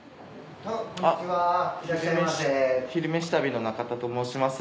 「昼めし旅」の中田と申します。